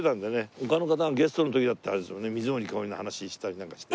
他の方がゲストの時だってあれですもんね水森かおりの話してたりなんかして。